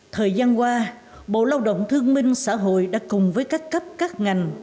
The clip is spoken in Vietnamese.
thời gian qua bộ lao động thương minh xã hội đã cùng với các cấp các ngành